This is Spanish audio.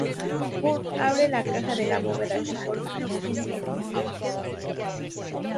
Kurt abre la caja de la bóveda y por fin obtiene el diamante.